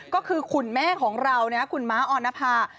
ก็คือคุณแม่ของเราคุณม้าออนภา